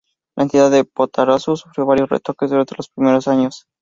La identidad de Patoruzú sufrió varios retoques durante los primeros años.